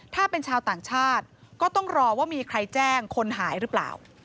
ถ้าเป็นชาวต่างชาติก็ต้องรอว่ามีใครแจ้งคนหายหรือเปล่า